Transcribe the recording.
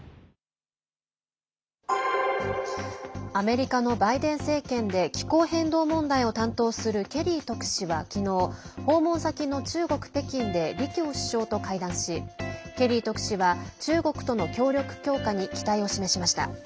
アメリカのバイデン政権で気候変動問題を担当するケリー特使は昨日、訪問先の中国・北京で李強首相と会談しケリー特使は中国との協力強化に期待を示しました。